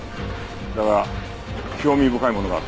だが興味深いものがあった。